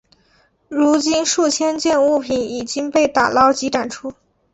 如今数千件物品已经被打捞及展出。